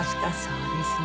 そうですね。